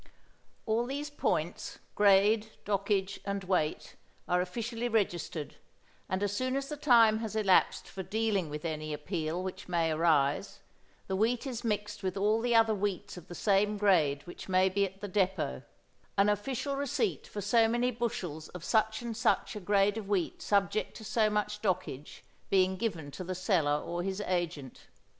All these points, grade, dockage, and weight, are officially registered, and as soon as the time has elapsed for dealing with any appeal which may arise, the wheat is mixed with all the other wheats of the same grade which may be at the depot, an official receipt for so many bushels of such and such a grade of wheat subject to so much dockage being given to the seller or his agent.